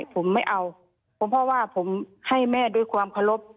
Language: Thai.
เพราะว่าผมให้แม่ด้วยความเคารพ